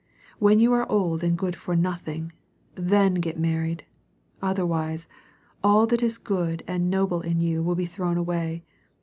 When you are old and good for nothing, then get married. — Otherwise, all that is good and noble in you will be thrown away.